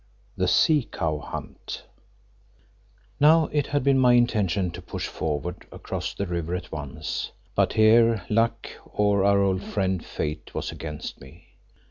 THE SEA COW HUNT Now it had been my intention to push forward across the river at once, but here luck, or our old friend, Fate, was against me.